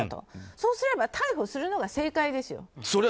そうすれば逮捕するのが正解ですよ。